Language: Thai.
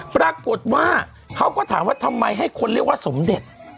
ปรากฏว่าเขาก็ถามว่าทำไมให้คนเรียกว่าสมเด็จ